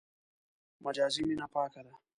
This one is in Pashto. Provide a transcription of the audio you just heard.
مجازي مینه پاکه ده.